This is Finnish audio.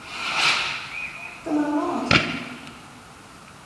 Tämä on oma asiani.